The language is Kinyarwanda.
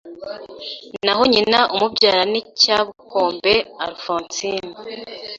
naho Nyina umubyara ni Cyabukombe Alphonsine.